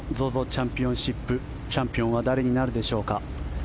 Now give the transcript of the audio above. チャンピオンシップチャンピオンは誰になるでしょうか。